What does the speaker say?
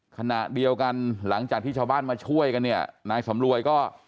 ขณะเดียวกันหลังจากที่ชาวบ้านมาช่วยกันเนี่ยนายสำรวยก็